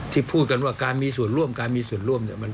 พูดกันว่าการมีส่วนร่วมการมีส่วนร่วมเนี่ย